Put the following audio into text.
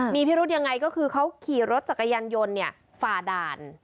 มีพิรุธยังไงก็คือเขาขี่รถจักรยานยนต์ฝ่าด่าน